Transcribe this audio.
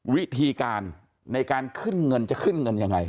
วิธีการในการขึ้นเงินจะขึ้นเงินยังไง